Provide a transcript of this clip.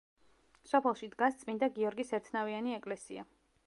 სოფელში დგას წმინდა გიორგის ერთნავიანი ეკლესია.